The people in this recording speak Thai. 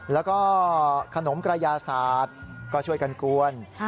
แล้วก็ขนมกระยาศาสตร์ก็ช่วยกันกวน